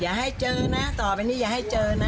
อย่าให้เจอนะต่อไปนี้อย่าให้เจอนะ